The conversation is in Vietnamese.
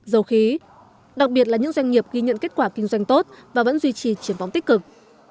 dầu khí đặc biệt là những doanh nghiệp ghi nhận kết quả kinh doanh tốt và vẫn duy trì triển vọng tích cực